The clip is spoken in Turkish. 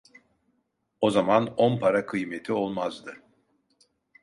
O zaman on para kıymeti olmazdı.